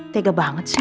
tega banget sih